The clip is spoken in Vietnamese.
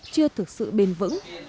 chưa thực sự bền vững